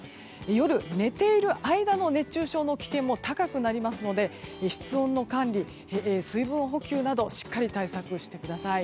夜、寝ている間の熱中症の危険も高くなりますので室温の管理、水分補給などしっかり対策してください。